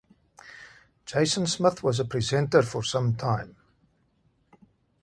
Jason Smith was a presenter for some time.